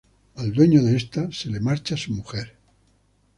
Al dueño de este se le marcha su mujer.